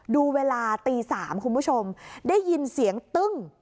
ดูเวลาตี๓คุณผู้ชมได้ยินเสียงตึ้ง